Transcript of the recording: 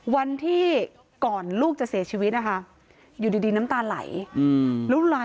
วันที่ก่อนลูกจะเสียชีวิตนะคะอยู่ดีน้ำตาไหลแล้วลาย